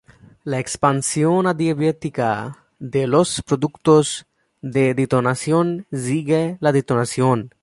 La expansión adiabática de los productos de detonación sigue la detonación.